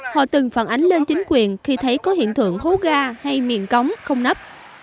họ từng phản ánh lên chính quyền khi thấy có hiện tượng hố ga hay miền cống không nắp